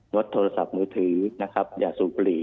นดโทรศัพท์มือถืออย่าสูบปลี่